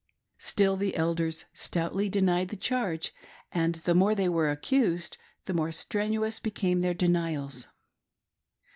Still the elders stoutly denied the charge, and the more they were accused the more strenuous became their denials.